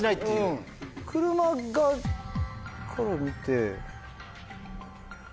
車側から見て。